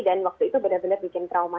dan waktu itu benar benar bikin trauma